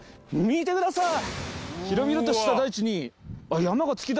見てください！